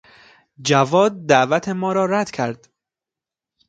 جواد دعوت ما را رد کرد.